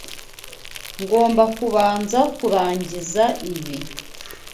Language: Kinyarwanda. Ngomba kubanza kurangiza ibi.